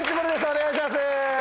お願いします！